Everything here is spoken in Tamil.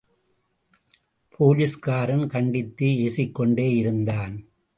போலீஸ்காரன் கண்டித்து ஏசிக்கொண்டேயிருந்தான்.